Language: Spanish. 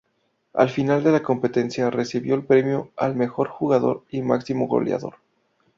Al final de la competencia, recibió el premio al mejor jugador y máximo goleador.